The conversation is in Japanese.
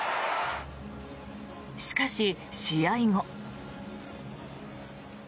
しかし、試合後。